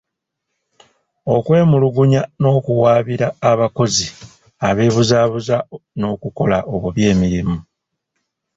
Okwemulugunya n'okuwaabira abakozi abeebuzabuza n'okukola obubi emirimu.